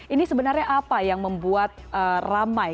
ini sebenarnya apa yang membuat ramai